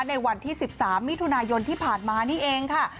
ในวันที่๑๓มิถุนายนที่ผ่านมานี่เองค่ะ